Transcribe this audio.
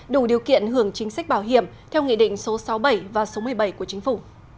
đủ điều kiện hưởng chính sách bảo hiểm theo nghị định số sáu mươi bảy và số một mươi bảy của chính phủ